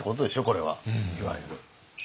これはいわゆる。